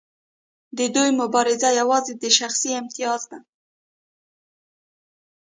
د دوی مبارزه یوازې د شخصي امتیاز ده.